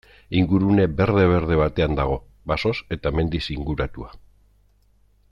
Ingurune berde-berde batean dago, basoz eta mendiz inguratuta.